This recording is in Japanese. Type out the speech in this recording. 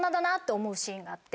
思うシーンがあって。